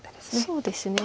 そうですね。